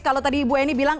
kalau tadi ibu eni bilang